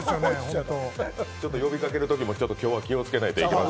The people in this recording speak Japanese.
呼びかけるときもちょっと今日は気をつけないといけない。